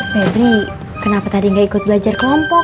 febri kenapa tadi nggak ikut belajar kelompok